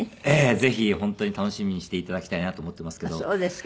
ぜひ本当に楽しみにして頂きたいなと思ってますけど。